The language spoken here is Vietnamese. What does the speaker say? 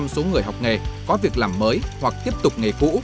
tám mươi số người học nghề có việc làm mới hoặc tiếp tục nghề cũ